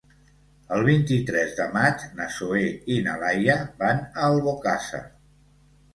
El vint-i-tres de maig na Zoè i na Laia van a Albocàsser.